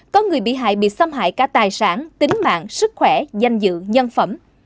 có người bị hại bị xâm hại cả tài sản tính mạng sức khỏe danh dự nhân phẩm